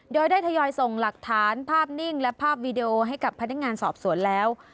โดยได้ทยอยส่งหลักฐานภาพนิ่งและภาพวีดีโอให้กับพนักงานสอบสวนแล้ว